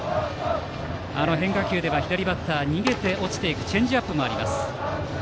変化球では左バッターから逃げて落ちるチェンジアップもあります。